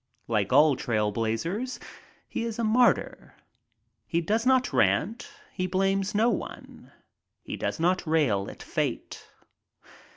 Like all trail blazers, he is a martyr. He does not rant. He blames no one. He does not rail at fate.